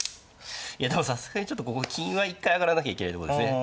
いやでもさすがにちょっとここ金は一回上がらなきゃいけないとこですね。